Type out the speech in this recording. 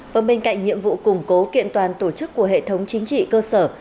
và bên cạnh nhiệm vụ củng cố kiện toàn tổ chức của hệ thống chính trị cơ sở